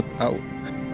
mama peduli sama aku